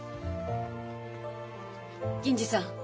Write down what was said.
銀次さん